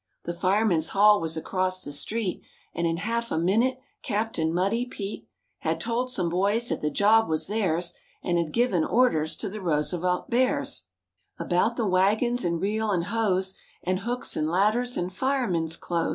The firemen's hall was across the street And in half a minute Captain Muddy Pete f Had told some boys that the job was theirs And had given orders to the Roosevelt Bears About the wagons and reel and hose, And hooks and ladders and firemen's clothes.